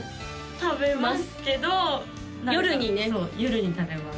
食べますけど夜にねそう夜に食べます